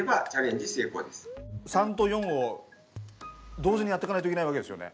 ３と４を同時にやっていかないといけないわけですよね。